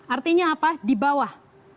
artinya apa di bawah